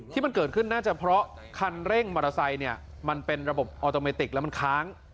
ที่มันเกิดขึ้นน่าจะเพราะคันเร่งมอเตอร์ไซค์เนี่ยมันเป็นระบบออโตเมติกแล้วมันค้าง